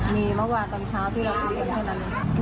มีเมื่อวานตอนเช้าที่เรากำลังมาช่วยกัน